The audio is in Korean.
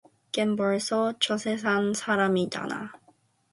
걘 벌써 저세상 사람이잖아